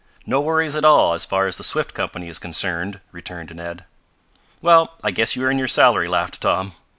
"No worries at all, as far as the Swift Company is concerned," returned Ned. "Well, I guess you earn your salary," laughed Tom.